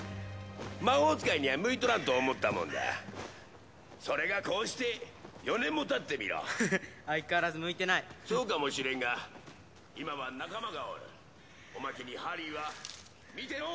魔法使いには向いとらんと思ったもんだそれがこうして４年もたってみろ相変わらず向いてないそうかもしれんが今は仲間がおるおまけにハリーは見てろ！